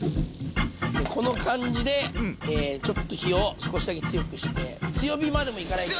この感じでちょっと火を少しだけ強くして強火までもいかない。